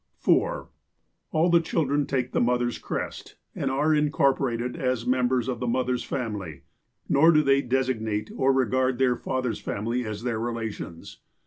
"(4) All the children take the mother's crest, and are in corporated as members of the mother's family ; nor do they designate, or regard, their father's family as their relations.